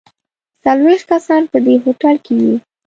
څلوېښت کسان په دې هوټل کې یو.